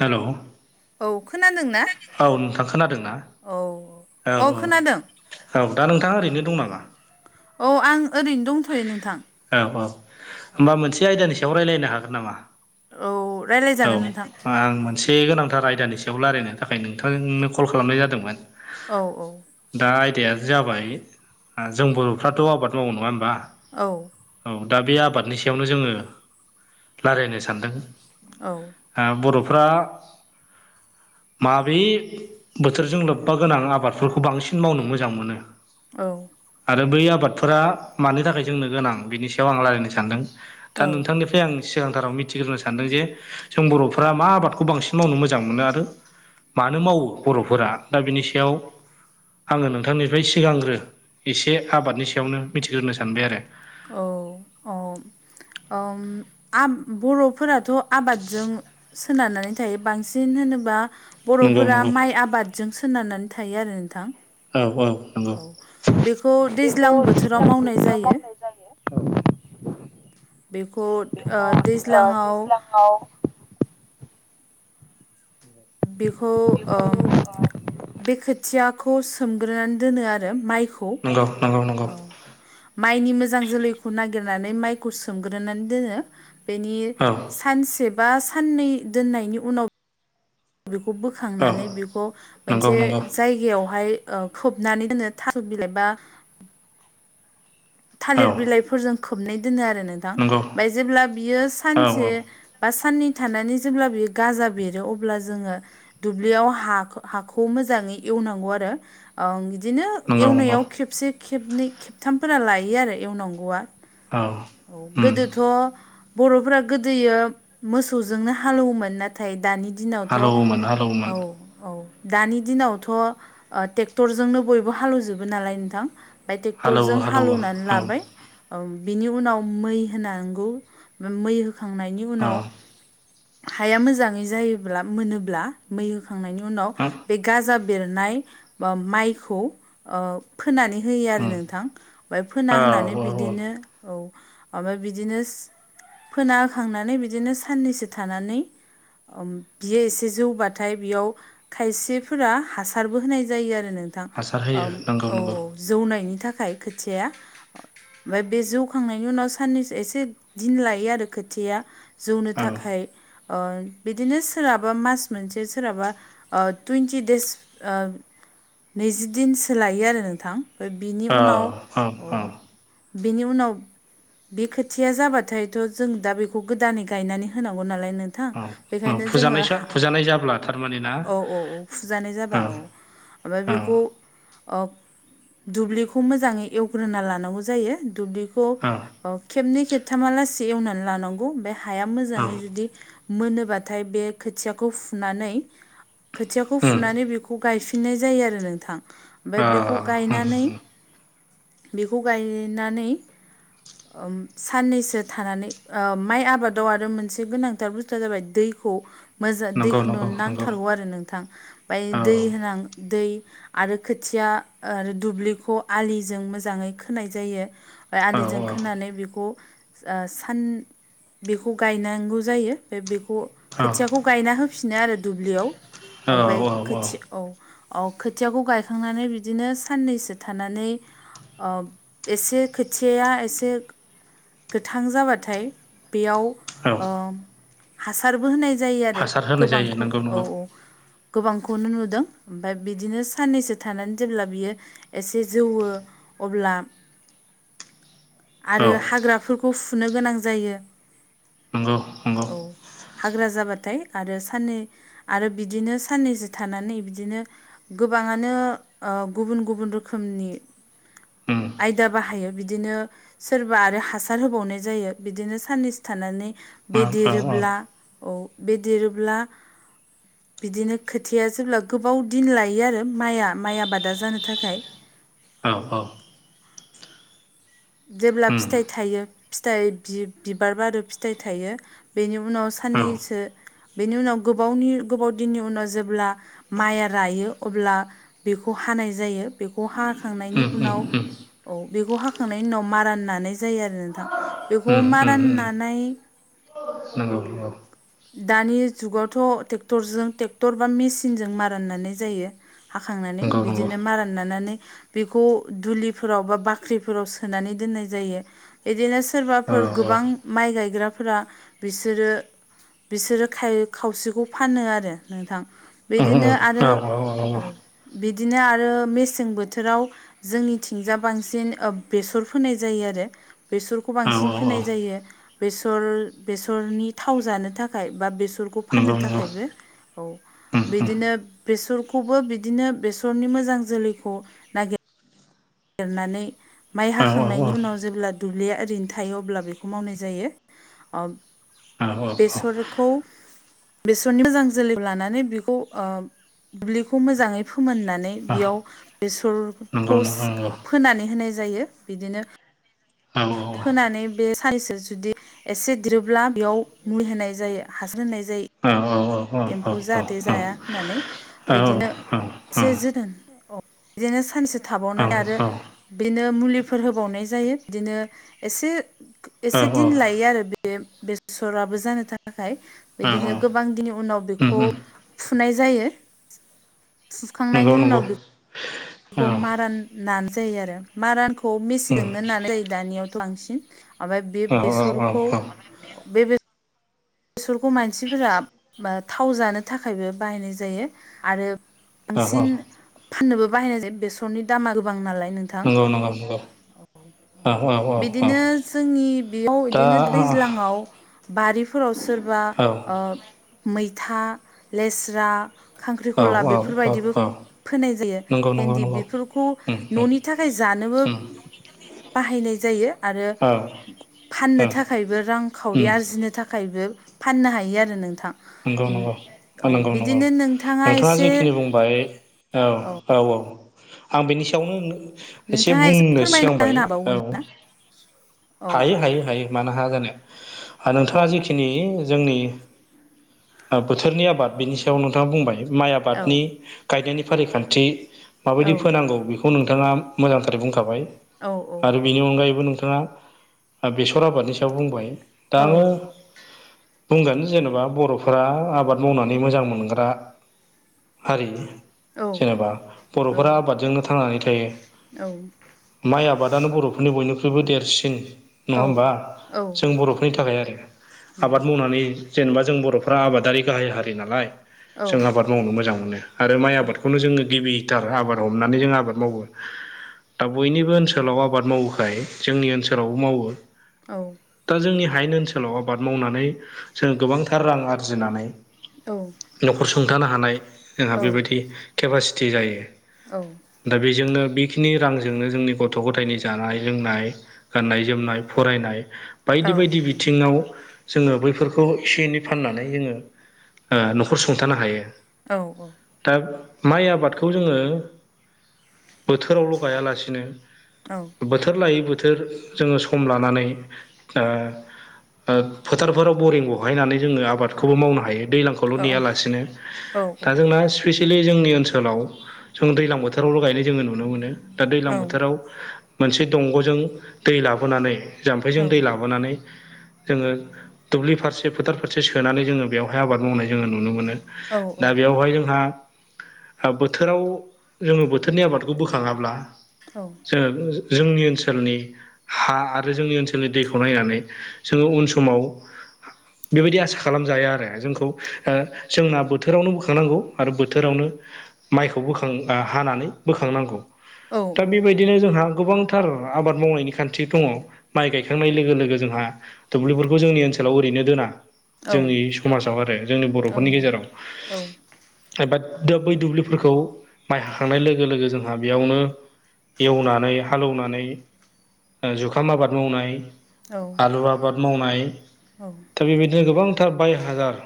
Hello. औ खोनादों ना? औ नोंथां खोनादोंना औ औ औ दा नोंथाङा ओरैनो दं नामा? औ आं ओरैनो दंथ'यो नोंथां। औ औ ओमबा मोनसे आयदानि सायाव रायलायनो हागोन नामा? औ औ रायलायजागोन नोंथां आं मोनसे बे गोनांथार आयदानि सायाव रायलायनो थाखाय नोंथांनो कल खालामनाय जादोंमोन। औ औ। दा आयदाया जाबाय जों बर'फ्राथ' आबाद मावो नङा ओमबा? औ। औ दा बे आबादनि सायावनो जोङो रायलायनो सानदों। औ। ओ बर'फ्रा माबे बोथोरजों लोब्बा गोनां आबादफोरखौ बांसिन मावनो मोजां मोनो। औ। आरो बै आबादफोरा मानि थाखाय जोंनो गोनां बेनि सायाव आं रायलायनो सानदों दा नोंथांनि फ्राय आं सिगांथाराव मिथिग्रोनो सानदों जे जों बर'फोरा मा आबादखौ बांसिन मावनो मोजां मोनो आरो। मानो मावो बर'फोरा दा बिनि सायाव आङो नोंथांनिफ्राय सिगांग्रो एसे आबादनि सायावनो मिथिग्रोनो सानबाय आरो। औ अ। अम आ बर'फोराथ' आबादजों सोनारनानै थायो बांसिन होनोबा नंगौ बर'फोरा नंगौ माइ आबादजों सोनारनानै थायो आरो नोंथां। औ औ नंगौ औ बेखौ बेखौ दैज्लां बोथोराव दैज्लां मावनाय बोथोराव जायो। मावनाय जायो बेखौ ओ दैज्लाङाव महाव [unintelligible] बेखौ बेखौ ओ ओम बे खोथिया खौ सोमग्रोनानै दोनो आरो माइखौ नंगौ नंगौ नंगौ औ माइनि मोजां जोलैखौ नागिरनानै माइखौ सोमग्रोनानै दोनो बेनि औ सानसे बा साननै दोननायनि उनाव बेखौ औ बोखांनानै बेखौ नंगौ मोनसे नंगौ जायगायावहाय औ खोबनानै दोनो थास' बिलाइ बा थालिर औ बिलाइफोरजों खोबनै दोनो आरो नोंथां नंगौ ओमफ्राय जेब्ला बियो औ सानसे बा साननै थानानै जेब्ला बियो गाजा बेरो अब्ला जोङो दुब्लियाव हा हाखौ मोजाङै एवनांगौ आरो ओं बिदिनो नंगौ नंगौ एवनायाव खेबसे खेबनै खेबथामफोरा लायो आरो एवनांगौआ औ औ उम गोदोथ' बर'फ्रा गोदोयो मोसौजोंनो हालौवोमोन ना थाय दानि दिनावथ' हालौवोमोन हालौवोमोन औ औ दानि दिनावथ' ट्रेक्टरजोंनो बयबो हाल एवजोबो नालाय नोंथां बे हालौवो ट्रेक्टरजों हाल हालौवो एवना औ लाबाय बिनि उनाव मै होनांगौ मै होखांनायनि औ उनाव हाया मोजाङै जायोब्ला मोनोब्ला मै होखांनायनि उनाव हो बे गाजा बेरनाय ओ माइखौ अ फोनानै होयो आरो उम नोंथां ओमफ्राय फोना औ होनानै औ औ बिदिनो औ ओमफ्राय बिदिनो फोनाखांनानै बिदिनो साननैसो थानानै बियो एसे जौबाथाय बियाव खायसेफोरा हासारबो होनाय जायो आरो नोंथां हासार औ होयो नंगौ नंगौ औ जौनायनि थाखाय खोथिया ओमफ्राय बे जौखांनायनि उनाव साननैसो एसे दिन लायो आरो खोथियाया जौनो औ थाखाय ओ बिदिनो सोरहाबा मास मोनसे सोरहाबा ओ टुइन्टि देस ओ नैजिदिनसो लायो आरो नोंथां। ओ बिनि औ उनाव औ बिनि उनाव बे खोथिया जाबाथायथ' जों दा बेखौ गोदानै गायनानै होनांगौ नालाय नों थां औ बेखायनो जोङो फुजानायसो फुजानाय जाब्ला थारमाने ना औ औ औ फुजानाय जाबा औ ओमफ्राय औ बेखौ औ दुब्लिखौ मोजाङै एवग्रोना लानांगौ जायो दुब्लि खौ औ खबनै खेबथाम एवनानै लांगौ बे हाया मोजाङै उम मोनोबाथाय बे खोथिखौ फुनानै खोथियाखौ फुनानै बेखौ गायफिननाय जायो आरो नोंथां अ ओमफ्राय बेखौ उम गायनानै बेखौ गायनानै ओ साननैसो थानानै ओ माइ आबादाव आरो मोनसे मोनसे गोनांथार बुसथुआ जाबाय दैखौ मोजां नंगौ दैखौ नुनो नंगौ नंगौ नांथारगौ आरो नोंथां ओमफ्राय औ दै होनां दै आरो खोथिया दुब्लिखौ आलिजों मोजाङै खोनाय जायो। औ आलिजों खोनानै बेखौ ओ सान बेखौ गायना गौ जायो बेखौ खोथियाखौ गायना होफिनो आरो दुब्लियाव ओमफ्राय औ औ खोथिया औ औ खोथियाखौ गायखांनानै बिदिनो साननैसो थानानै अ एसे खोथियाया एसे गोथां जाबाथाय बेयाव औ हासारबो होनाय जायो आरो हासार होनाय जायो गोबांखौ नंगौ औ नंगौ औ गोबांखौनो नुदों ओमफ्राय बिदिनो साननैसो थानानै जेब्ला बियो एसे जौवो अब्ला [inaudible] आरो औ हाग्राफोरखौ फुनो गोनां जायो। नंगौ नंगौ औ हाग्रा जाबाथाय आरो साननै आरो बिदिनो साननैसो थानानै बिदिनो गोबाङानो ओ गुबुन गुबुन रोखोमनि उम आयदा बाहायो बिदिनो सोरबा आरो हासार होबावनाय जायो बिदिनो साननैसो थानानै औ औ बेदेरोब्ला औ बे देरोब्ला बिदिनो खोथिया जेब्ला गोबाव दिन लायो आरो माइआ माइ आबादा जानो थाखाय औ औ जेब्ला उम फिथाइ थायो फिथाइ बिबार आरो फिथाइ थायो। बेनि उनाव औ उम साननैसो बेनि उनाव गोबावनि गोबाव दिननि उनाव जेब्ला माइया रायो अब्ला बेखौ हानाय जायो बेखौ हाखांनायनि उम उनाव उम औ बेखौ हाखां फोखांनायनि उनाव मारान नानाय जायो आरो नोंथां बेखौ उम उम मारान उम नानाय नंगौ नंगौ दानि जुगावथ' ट्रेक्टरजों ट्रेक्टर बा मेसिनजों मारा नानाय जायो। हाखांनानै नंगौ नंगौ बिदिनो मारा नानानै बेखौ दुलिफोराव बा बाख्रिफोराव सोनानै दोननाय जायो। बिदिनो औ सोरबाफोर गोबां माइ गायग्राफोरा बिसोरो बिसोरो खावसेखौ फानो आरो नोंथां। उम बिदिनो उम औ आरो औ बिदिनो आरो मेसें बोथोराव जोंनिथिंजा बांसिन बेसर फोनाय जायो आरो बेसर खौ औ बांसिन औ औ फोनाय जायो बेसरनि थाव जानो थाखाय बा बेसर खौ फाननो नंगौ नंगौ थाखायबो औ उम उम बिदिनो बेसरखौबो बिदिनो बेसरनि मोजां जोलैखौ नागिर एरनानै माइ औ औ औ हाखांनायनि उनाव जेब्ला दुब्लिया ओरैनो थायो अब्ला बेखौ मावनाय जायो। नंगौ औ बेसरखौ बेसरनि मोजां जोलैखौ लानानै बेखौ दुब्लिखौ मोजाङै फोमोननानै बेयाव बेसर नंगौ नोंथां नंगौ। फोनानै होनाय जायो बिदिनो फोनानै बे साइसजों जुदि एसे देरोब्ला बेयाव मुुलि होनाय जायो हासार होनाय जायो। औ औ औ एम्फौ जाहाथे जाया होननानै बिदिनो एसे जोथोन औ बिदिनो सानसे थाबावनानै आरो बिदिनो मुलिफोर होबावनाय जायो बिदिनो एसे एसे दिन लायो आरो बे बेसराबो जानो थाखाय बिदिनो गोबां दिन उनाव उम बेखौ उम फुनाय जायो नंगौ फुखांनायनि उनाव नंगौ बे औ बेखौ उम मारान नानाय जायो आरो मारानखौ औ मेचिनजोंनो नानाय जायो दानियावथ' बांसिन ओमफ्राय बे औ औ बेसरखौ बे बेसरखौ मानसिफोरा थाव जानो थाखायबो बाहायनाय जायो आरो। औ बांसिन फाननोबो बाहायनाय जायो बेसरनि दामा गोबां नालाय नों नंगौ नंगौ नंगौ औ औ बिदिनो जोंनि बेयाव दा बिदिनो औ दैज्लाङाव बारिफोराव सोरबा मैथा लेस्रा औ खांख्रिखला औ बेफोरबादिबो औ फोनाय जायो नंगौ नंगौ भेन्दि नंगौ बेफोरखौ उम उम न'नि थाखाय जानोबो गो उम बाहायनाय जायो आरो औ फाननो थाखायबो रांखावरि उम आरजिनो थाखाय ओ थाखायबो फाननो हायो आरो नोंथां। नंगौ नंगौ औ नंगौ नंगौ बिदिनो नोंथाङा एसे जेखिनि बुंबाय। औ औ औ आं बेनि सायावनो ओ‌ एसे नोंथाङा बुंनो फोरमायना सिगांबाय होनो औ हाबावगोन ना औ औ हायो हायो हायो मानो हाया जानो औ नोंथाङा जिखिनि जोंनि बोथोरनि आबाद बेनि सायाव नोंथाङा बुंबाय माइ आबादनि गायनायनि फारिखान्थि। औ माबायदि फोनांगौ बेखौ नोंथाङा मोजांथारै बुंखाबाय। औ औ। आरो बेनि अनगायैबो नोंथाङा बेसर आबादनि सायाव बुंबाय दा आङो। बुंगोन जेन'बा बर'फोरा आबाद मावनानै मोजां मोनग्रा हारि। जेनेबा बर'फोरा आबादजोंनो थांनानै थायो। औ। माइ आबादानो बर'फोरनि बयनिख्रुइबो देरसिन नङा होमबा जों बर'फोरनि थाखाय आरो आबाद मावनानै जेनेबा जों बर' बर'फ्रा आबादारि गाहाय हारि नालाय जों आबाद मावनो मोजां मोनो आरो माइ आबादखौनो जोङो गिबि लिटार आबाद हमनानै जों आबाद मावो दा बयनिबो ओनसोलाव आबाद मावोखाय जोंनि ओनसोलावबो मावो। औ। दा जोंनि हायेन ओनसोलाव आबाद मावनानै जों गोबांथार रां आरजिनानै। औ न'खर सुंथानो हानाय जोंहा बेबायदि केपासिटि जायो। औ। दा बेजोंनो बेखिनि रांजोंनो जोंनि गथ' गथायनि जानाय लोंनाय गाननाय जोमनाय फरायनाय बायदि बायदि बिथिङाव जोङो बैफोरखौ एसे एनै फाननानै जोङो न'खर सुंथानो हायो। औ औ दा माइ आबादखौ जोङो बोथोरावल' गायालासिनोबो औ। बोथोर लायै बोथोर जोङो सम लानानै ओ ओ फोथारफोराव बरिं बहायनानै जोङो आबादखौबो मावनो हायो दैज्लांखौल' नेयालासेनो दा जोंना स्पेसियेलि जोंनि ओनसोलाव जों दैज्लां बोथोरावल' गायनाय जोङो नु दा दैज्लां बोथोराव मोनसे दंग'जों दै लाबोनानैबो जाम्फैजों दै लाबोनानै जोङो दुब्लि फारसे फोथार फारसे ओ फसे सोनानै जोङो बेवहाय आबाद मावनाय जोङो नुनो मोनो दा बेवहाय जोंहा। बोथोराव जोङो बोथोरनि आबादखौ बोखाङाब्ला औ। जोंनि ओनसोलनि हा आरो जोंनि ओनसोलनि दैखौ नायनानै जोङो उन समाव बेबायदि आसा खालामजाया आरो जोंखौ जोंना बोथोरावनो बोखांनांगौ आरो बोथोरावनो। माइखौ बोखां हानानै बोखांनांगौ दा औ औ बेबादि बिदिनो जोंहा गोबांथार आबाद मावनायनि खान्थि दङ माइ गायखांनाय लोगो लोगो जोंहाबो दुब्लिफोरखौ जोंनि ओनसोलाव ओरैनो दोना औ जोंनि समाजाव आरो जोंनि बर'फोरनि औ गेजेराव एबा बै दुब्लिफोरखौ माइ हाखांनाय लोगो लोगो जोंहा बेयावनो। एवनानै हालेवनानै जुखाम आबाद मावनाय आलु आबाद मावनाय दा बेबायदिनो गोबांथार बाय हाजार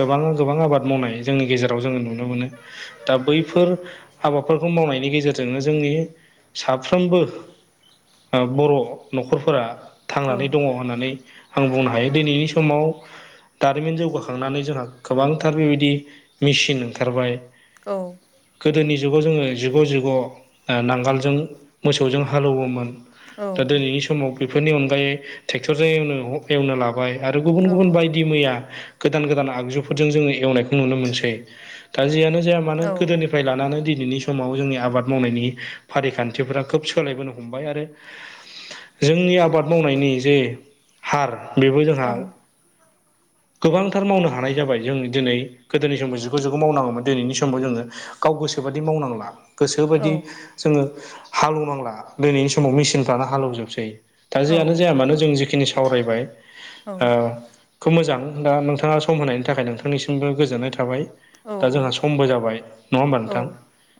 गोबां गोबां आबाद मावनाय जोंनि गेजेराव जोङो नुनो मोनो दा बैफोर हाबाफोरखौ मावनायनि गेजेरजोंनो जोंनि साफ्रोमबो बर' न'खरफोरा थांनानै दङ होननानै आं बुंनो हायो दिनैनि समाव दारिमिन जौगाखांनानै जोंहा गोबांथार बेबायदि मेसिन ओंखारबाय औ गोदोनि जुगाव जोङो जिग' जिग' नांगोलजों मोसौजों हालौवोमोन दा दिनैनि समाव बेफोरनि अनगायै ट्रेक्टरजोंनो एवनो लाबाय आरो गुबुन गुबुन बायदि मैया गोदान गोदान आगजुफोरजों जोवनायखौ नुनो मोनसै दा जियानो जाया मानो गोदनिफ्राय ला नानो दिनैनि समाव जोंनि आबाद मावनायनि फारिखान्थिफोरा खोब सोलायबोनो हमबाय आरो जोंनि आबाद मावनायनि जे हार बेबो जोंहा गोबांथार मावनो हानाय जाबाय जों दिनै गोदोनि समाव जिुग' जुगखौ मावनांगौमोन दिनैनि समाव जोङो गाव गोसोबादि मावनांला गोसोबायदि जोङो हालेवनांला दिनोयनि समाव मेसिनफ्रानो हालेवजोबसै दा जेयानो जाया मानो जों जिखिनि सावरायबाय ओ खोब मोजां दा नोंथाङा सम होनायनि थाखाय नोंथांनिसिमबो गोजोननाय थाबाय दा जोंहा समबो जाबाय नङा होनबा नोंथां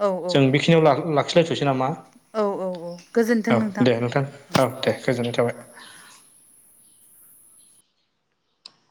औ जों बेखिनियाव ला लाखिलायथ'सै नामा औ दे नोंथां औ दे गोजोननाय थाबाय